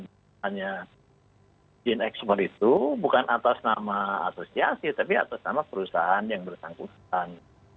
bukan hanya izin ekspor itu bukan atas nama asosiasi tapi atas nama perusahaan yang bersangkutan